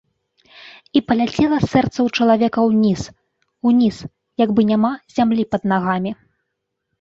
І паляцела сэрца ў чалавека ўніз, уніз, як бы няма зямлі пад нагамі.